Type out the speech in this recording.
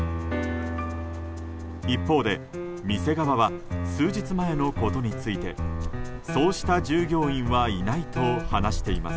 一方で店側は数日前のことについてそうした従業員はいないと話しています。